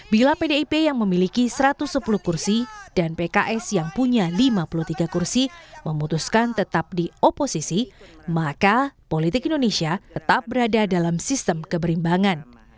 bila pdip yang memiliki satu ratus sepuluh kursi dan pks yang punya lima puluh tiga kursi memutuskan tetap di oposisi maka politik indonesia tetap berada dalam sistem keberimbangan